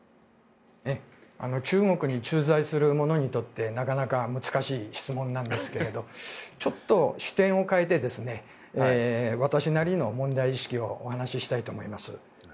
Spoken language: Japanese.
中国に駐在する者にとってなかなか難しい質問なんですけどちょっと視点を変えて私なりの問題意識をお話ししたいと思います。